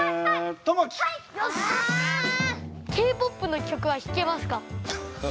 Ｋ−ＰＯＰの曲は弾けますか？